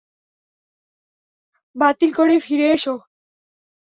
বাতিল করে ফিরে এসো।